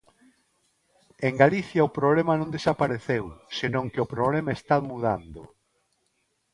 En Galicia o problema non desapareceu, senón que o problema está mudando.